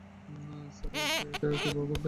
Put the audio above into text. Sir, সে এটা কীভাবে করবে?